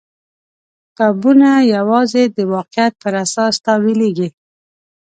کتابونه یوازې د واقعیت پر اساس تاویلېږي.